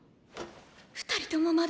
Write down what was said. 二人ともまだ！